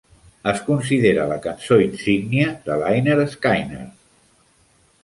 Es considera la cançó insígnia de Lynyrd Skynyrd.